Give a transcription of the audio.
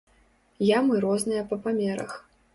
Ямы розныя па памерах.